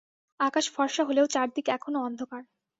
আকাশ ফরসা হলেও চারদিক এখনো অন্ধকার!